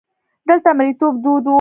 دلته مریتوب دود وو.